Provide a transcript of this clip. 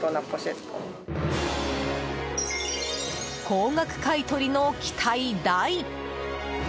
高額買い取りの期待大。